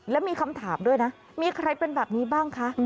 แล้วมีคำถามด้วยนะมีใครเป็นแบบนี้บ้างคะ